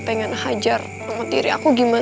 pengen hajar sama tiri aku gimana